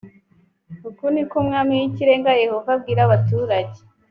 uku ni ko umwami w ikirenga yehova abwira abaturage